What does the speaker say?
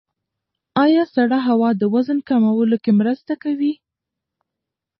ایا سړه هوا د وزن کمولو کې مرسته کوي؟